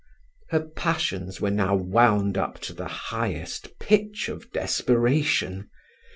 Her passions were now wound up to the highest pitch of desperation.